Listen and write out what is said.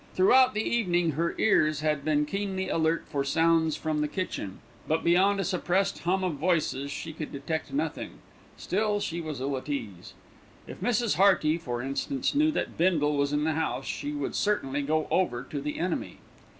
Throughout the evening her ears had been keenly alert for sounds from the kitchen; but beyond a suppressed hum of voices, she could detect nothing; still she was ill at ease. If Mrs. Hearty, for instance, knew that Bindle was in the house, she would certainly go over to the enemy.